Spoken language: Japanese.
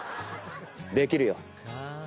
できるよ。